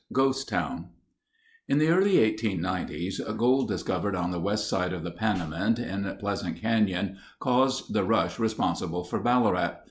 Ghost Town In the early 1890's gold discovered on the west side of the Panamint in Pleasant Canyon caused the rush responsible for Ballarat.